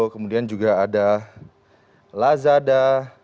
kemudian juga ada lazada